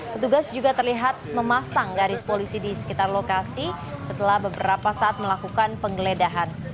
petugas juga terlihat memasang garis polisi di sekitar lokasi setelah beberapa saat melakukan penggeledahan